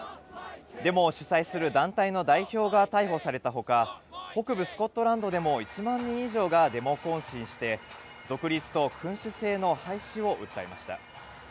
デモを主催する団体の代表が逮捕されたほか、北部スコットランドでも、１万人以上がデモ行進して、独立と君主制の廃止を訴えました。